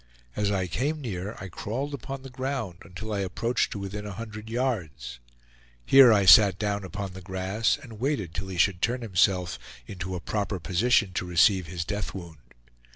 As I came near, I crawled upon the ground until I approached to within a hundred yards; here I sat down upon the grass and waited till he should turn himself into a proper position to receive his death wound.